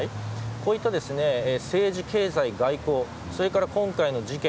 こういった政治、経済、外交今回の事件